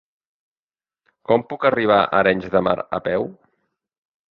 Com puc arribar a Arenys de Mar a peu?